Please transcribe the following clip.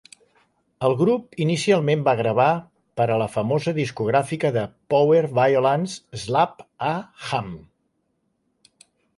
El grup inicialment va gravar per a la famosa discogràfica de powerviolence Slap-a-Ham.